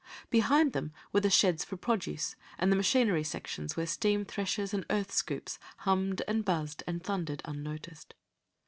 Behind them were the sheds for produce, and the machinery sections where steam threshers and earth scoops hummed and buzzed and thundered unnoticed.